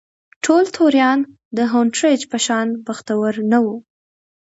ټول توریان د هونټریج په شان بختور نه وو.